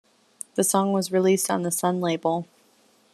The song was released on the Sun label.